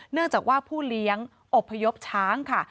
เนื่องจากว่าผู้เลี้ยงอบพยพช้างค่ะ